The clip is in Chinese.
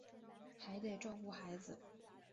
还得照顾孩子